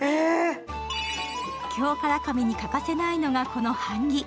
京唐紙に欠かせないのがこの版木。